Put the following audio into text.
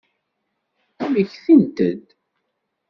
Mmektint-d.